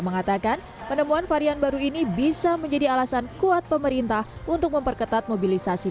mengatakan penemuan varian baru ini bisa menjadi alasan kuat pemerintah untuk memperketat mobilisasi